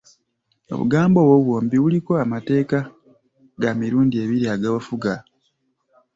Obugambo obwo bwombi buliko amateeka ga mirundi ebiri agabufuga.